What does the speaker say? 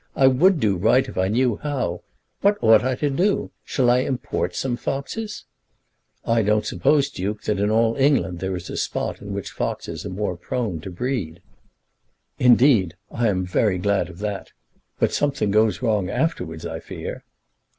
I would do right if I knew how. What ought I to do? Shall I import some foxes?" "I don't suppose, Duke, that in all England there is a spot in which foxes are more prone to breed." "Indeed. I'm very glad of that. But something goes wrong afterwards, I fear."